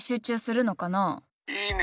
いいね！